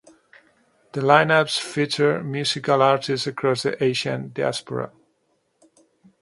The lineups feature musical artists across the Asian diaspora.